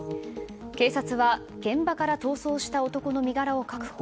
警察は、現場から逃走した男の身柄を確保。